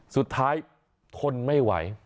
สุดท้ายทนไม่ไหว